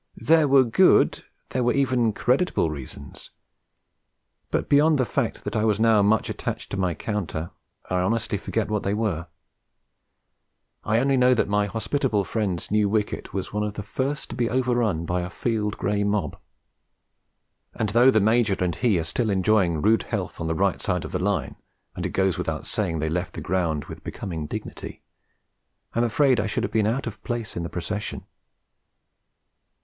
There were good, there were even creditable, reasons; but, beyond the fact that I was now much attached to my counter, I honestly forget what they were. I only know that my hospitable friend's new wicket was one of the first to be overrun by a field grey mob; and though the Major and he are still enjoying rude health on the right side of the Line, and it goes without saying that they left the ground with becoming dignity, I am afraid I should have been out of place in the procession.